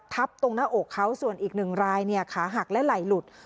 ตรงหน้าอกเขาส่วนอีกหนึ่งรายเนี่ยขาหักและไหลหลุด